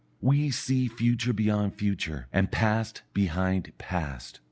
We see future beyond future and past behind past.